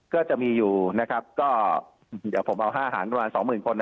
ก็จะมีอยู่นะครับก็เดี๋ยวผมเอา๕หารประมาณ๒๐๐๐คน